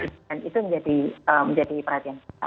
dan itu menjadi perhatian kita